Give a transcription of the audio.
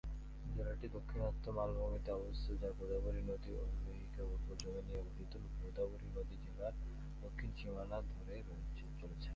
জেলাটি দাক্ষিণাত্য মালভূমিতে অবস্থিত যা গোদাবরী নদীর অববাহিকায় উর্বর জমি নিয়ে গঠিত; গোদাবরী নদী জেলার দক্ষিণ সীমানা ধরে বয়ে চলেছে।